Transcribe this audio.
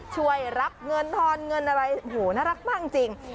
ช่วยรับเงินทอนเงินอะไรโหน่ารักมากจริง